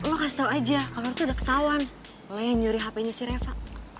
lo kasih tau aja kalau itu udah ketauan lo yang nyuri hpnya si reva